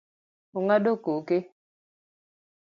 Ong'ado koke